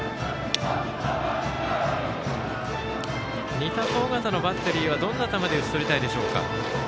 仁田と尾形のバッテリーはどんな感じで打ち取りたいでしょうか。